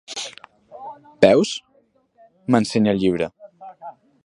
Veus? —m'ensenya el llibre—.